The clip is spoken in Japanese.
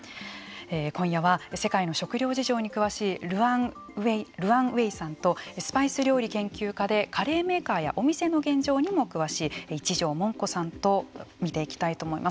今夜は世界の食料事情に詳しい阮蔚さんとスパイス料理研究家でカレーメーカーやお店の現状にも詳しい一条もんこさんと見ていきたいと思います。